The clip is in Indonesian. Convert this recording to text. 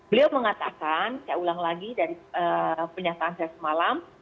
beliau mengatakan saya ulang lagi dari pernyataan saya semalam